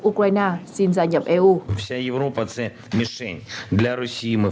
ukraine xin gia nhập eu